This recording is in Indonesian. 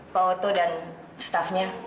pak oto dan stafnya